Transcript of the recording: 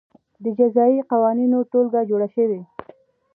د جزايي قوانینو ټولګه جوړه شوه.